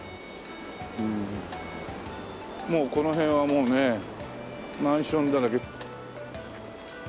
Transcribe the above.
もうこの辺はもうねマンションだらけ。